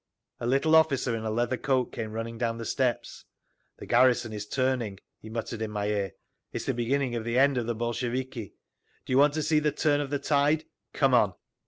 A little officer in a leather coat came running down the steps. "The garrison is turning!" he muttered in my ear. "It's the beginning of the end of the Bolsheviki. Do you want to see the turn of the tide? Come on!"